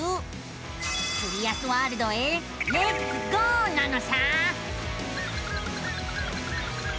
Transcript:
キュリアスワールドへレッツゴーなのさあ。